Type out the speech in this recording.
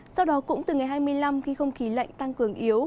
sau đó cũng từ ngày hai mươi năm khi không khí lạnh tăng cường yếu